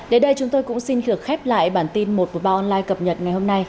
để đây chúng tôi cũng xin thử khép lại bản tin một của ba online cập nhật ngày hôm nay